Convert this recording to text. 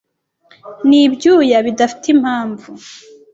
Ni ibyuya bidafite impamvu